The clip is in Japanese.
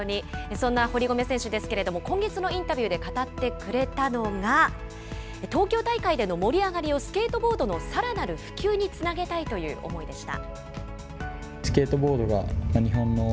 そんな堀米選手ですけれども、今月のインタビューで語ってくれたのが、東京大会での盛り上がりをスケートボードのさらなる普及につなげたいという思いでした。